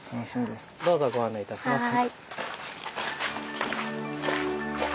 どうぞご案内いたします。